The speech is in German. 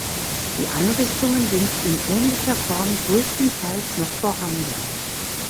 Die Einrichtungen sind in ähnlicher Form größtenteils noch vorhanden.